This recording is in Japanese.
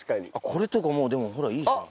これとかもうでもほらいいじゃん。